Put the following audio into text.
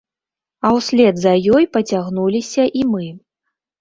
А ўслед за ёй пацягнуліся і мы.